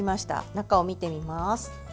中を見てみます。